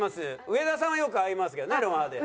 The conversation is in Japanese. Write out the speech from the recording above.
植田さんはよく会いますけどね『ロンハー』で。